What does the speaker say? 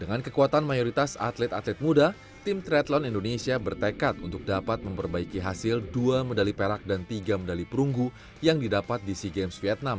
dengan kekuatan mayoritas atlet atlet muda tim triathlon indonesia bertekad untuk dapat memperbaiki hasil dua medali perak dan tiga medali perunggu yang didapat di sea games vietnam